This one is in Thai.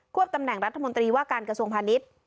วบตำแหน่งรัฐมนตรีว่าการกระทรวงพาณิชย์